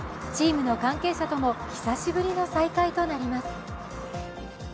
チームの関係者とも久しぶりの再会となります。